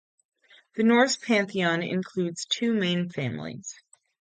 The Norse pantheon includes two main families.